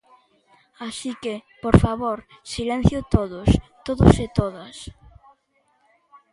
Así que, por favor, silencio todos, todos e todas.